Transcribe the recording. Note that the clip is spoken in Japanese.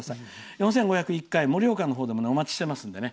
４５０１回、盛岡のほうでもお待ちしていますので。